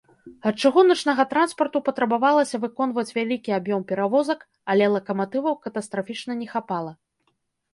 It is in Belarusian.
Ад чыгуначнага транспарту патрабавалася выконваць вялікі аб'ём перавозак, але лакаматываў катастрафічна не хапала.